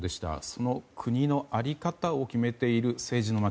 その国の在り方を決めている政治の街